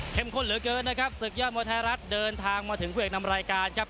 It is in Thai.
ข้นเหลือเกินนะครับศึกยอดมวยไทยรัฐเดินทางมาถึงผู้เอกนำรายการครับ